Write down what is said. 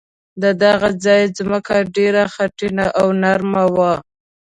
د دغه ځای ځمکه ډېره خټینه او نرمه وه.